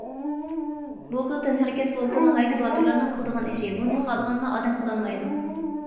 بۇ خىل تەنھەرىكەت بولسا ناھايىتى باتۇرلارنىڭ قىلىدىغان ئىشى، بۇنى خالىغانلا ئادەم قىلالمايدۇ.